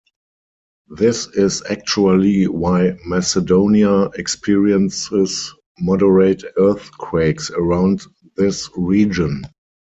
This is actually why Macedonia experiences moderate earthquakes around this region.